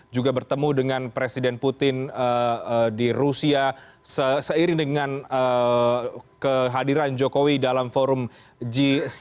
juga bertemu dengan presiden putin di rusia seiring dengan kehadiran jokowi dalam forum g tujuh